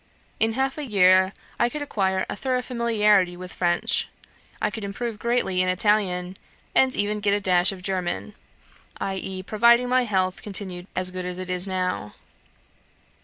In half a year, I could acquire a thorough familiarity with French. I could improve greatly in Italian, and even get a dash of German, i.e., providing my health continued as good as it is now.